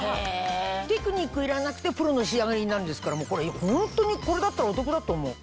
テクニックいらなくてプロの仕上がりになるんですからホントにこれだったらお得だと思う。